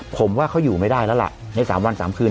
ผมว่าเขาอยู่ไม่ได้แล้วล่ะใน๓วัน๓คืน